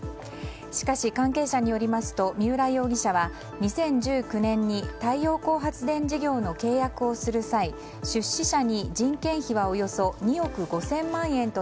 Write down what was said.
しかし、関係者によりますと三浦容疑者は２０１９年に太陽光発電事業の契約をする際出資者に人件費はおよそ２億５０００万円と